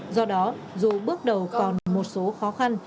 do đó dù bước đầu còn một số khó khăn